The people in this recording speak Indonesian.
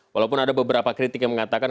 walaupun ada beberapa kritik yang mengatakan